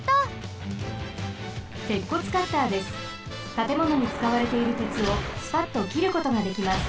たてものにつかわれているてつをスパッときることができます。